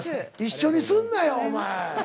一緒にするなよお前。